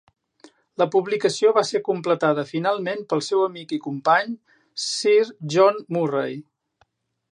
La publicació va ser completada finalment pel seu amic i company Sir John Murray.